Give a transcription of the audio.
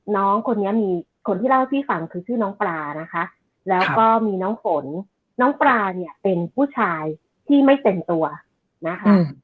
น้องคนนี้มีคนที่เล่าให้พี่ฟังคือชื่อน้องปลานะคะแล้วก็มีน้องฝนน้องปลาเนี่ยเป็นผู้ชายที่ไม่เต็มตัวนะคะ